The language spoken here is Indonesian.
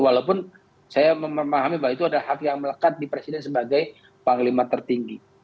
walaupun saya memahami bahwa itu ada hak yang melekat di presiden sebagai panglima tertinggi